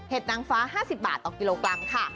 นางฟ้า๕๐บาทต่อกิโลกรัมค่ะ